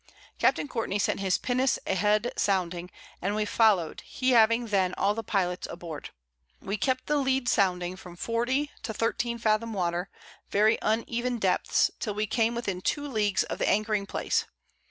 Capt. Courtney sent his Pinnace a Head sounding, and we follow'd, he having then all the Pilots aboard. We kept the Lead sounding from 40 to 13 Fathom Water, very uneven Depths, till we came within 2 Leagues of the Anchoring place.